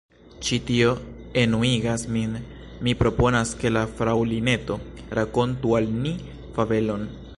Ĉi tio enuigas min! Mi proponas ke la Fraŭlineto rakontu al ni fabelon.